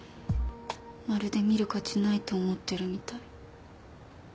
まるで見る価値ないと思ってるみたい。